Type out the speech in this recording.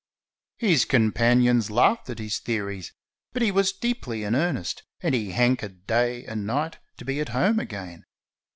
His companions laughed at his theories, but he was deeply in earnest, and he hankered day and night to be at home again.